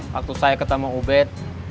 waktu saya ketemu ubed